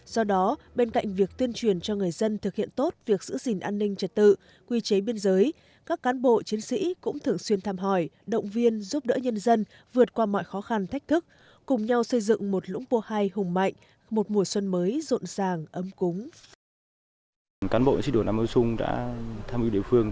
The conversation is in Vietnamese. do đó bên cạnh việc tuyên truyền cho người dân thực hiện tốt việc giữ gìn an ninh trật tự quy chế biên giới các cán bộ chiến sĩ cũng thường xuyên tham hỏi động viên giúp đỡ nhân dân vượt qua mọi khó khăn thách thức cùng nhau xây dựng một lũng bô hai hùng mạnh một mùa xuân mới rộn ràng ấm cúng